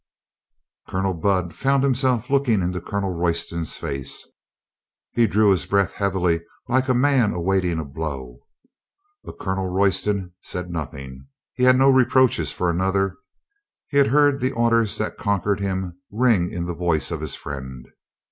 Colonel Budd found himself looking into Colonel Royston's face. He drew his breath heavily like a man awaiting a blow. But Colonel Royston said nothing. He had no reproaches for another. He had heard the orders that conquered him ring in the voice of his friend.